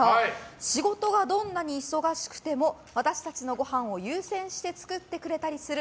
仕事がどんなに忙しくても私たちのごはんを優先して作ってくれたりする。